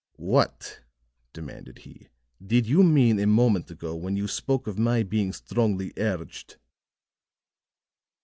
"What," demanded he, "did you mean a moment ago when you spoke of my being strongly urged?"